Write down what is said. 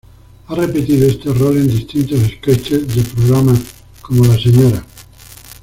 Ha repetido este rol en distintos sketches del programa, como la "Sra.